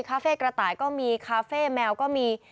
เฟ่กระต่ายก็มีคาเฟ่แมวก็มี